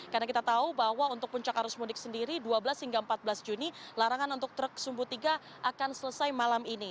karena kita tahu bahwa untuk puncak arus mudik sendiri dua belas hingga empat belas juni larangan untuk truk sumbu tiga akan selesai malam ini